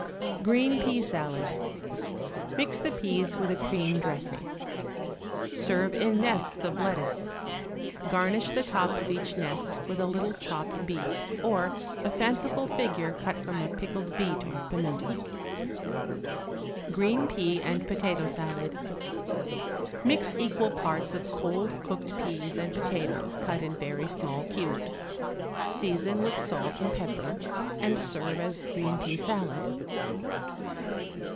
=Green Pea Salad.= Mix the peas with a cream dressing; serve in nests of lettuce; garnish the top of each nest with a little chopped beet, or a fanciful figure cut from a pickled beet or pimento. =Green Pea and Potato Salad.= Mix equal parts of cold cooked peas and potatoes cut in very small cubes; season with salt and pepper, and serve as green pea salad.